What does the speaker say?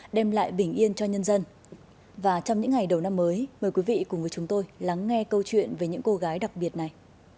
đem lại bình yên cho nhân dân và trong những ngày đầu năm mới mời quý vị cùng với chúng tôi lắng nghe câu chuyện về những cô gái đặc biệt này